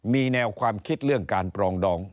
มีแนวความคิดเรื่องการปรองดอง